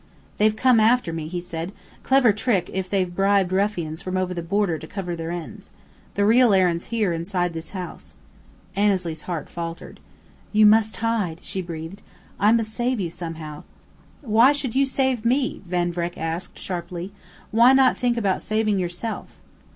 "They've come after me," he said. "Clever trick if they've bribed ruffians from over the border to cover their ends. The real errand's here, inside this house." Annesley's heart faltered. "You must hide," she breathed. "I must save you somehow." "Why should you save me?" Van Vreck asked, sharply. "Why not think about saving yourself?"